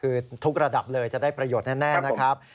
คือทุกระดับเลยจะได้ประโยชน์แน่นะครับ